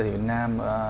ở việt nam